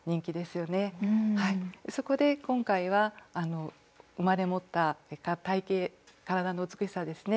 そこで今回は生まれ持った体形体の美しさですね